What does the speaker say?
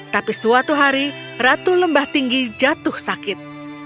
tapi suatu hari ratu lembah tinggi jatuh sakit